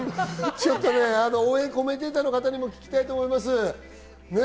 ちょっと応援コメンテーターの方にも聞きたいと思います。